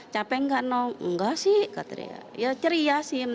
capek nggak nggak sih katanya ya ceria sih